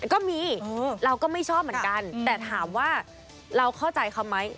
ก็มีเราก็ไม่ชอบเหมือนกันแต่ถามว่าเราเข้าใจเขาไหม